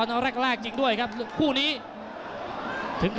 น้ำเงินรอโต